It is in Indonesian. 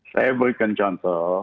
saya berikan contoh